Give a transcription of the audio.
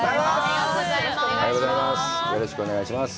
おはようございます。